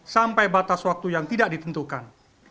sampai batas waktu yang tidak ditentukan